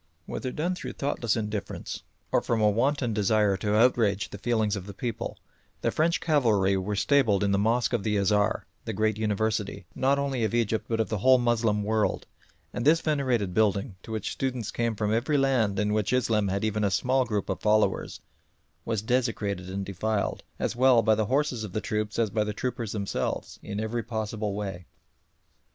Whether done through thoughtless indifference or from a wanton desire to outrage the feelings of the people, the French cavalry were stabled in the mosque of the Azhar, the great university, not only of Egypt but of the whole Moslem world, and this venerated building, to which students came from every land in which Islam had even a small group of followers, was desecrated and defiled, as well by the horses of the troops as by the troopers themselves, in every possible way.